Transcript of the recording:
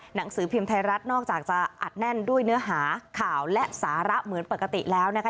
หนังสือพิมพ์ไทยรัฐนอกจากจะอัดแน่นด้วยเนื้อหาข่าวและสาระเหมือนปกติแล้วนะคะ